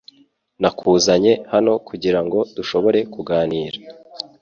Nakuzanye hano kugirango dushobore kuganira .